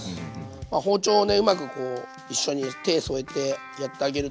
包丁をねうまくこう一緒に手添えてやってあげると。